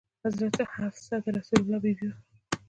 حضرت حفصه د رسول الله بي بي وه.